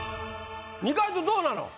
二階堂どうなの？